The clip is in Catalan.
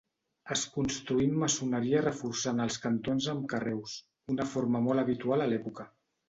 Es construí amb maçoneria reforçant els cantons amb carreus, una forma molt habitual a l'època.